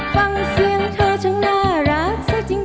ฟังเสียงเธอฉันน่ารักซะจริง